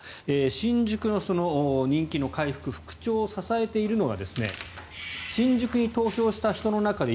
新宿の人気の回復復調を支えているのが新宿に投票した人の中で